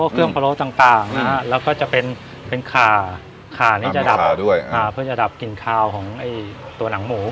เครื่องพะโล้ต่างต่างนะฮะแล้วก็จะเป็นเป็นขาขานี้จะดับด้วยอ่าเพื่อจะดับกลิ่นคาวของไอ้ตัวหนังหมู